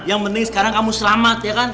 yang penting sekarang kamu selamat ya kan